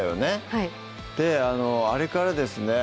はいであれからですね